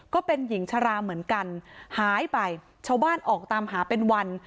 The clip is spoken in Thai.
ก็เป็นหญิงชราเหมือนกันหายไปชาวบ้านออกตามหาเป็นวัน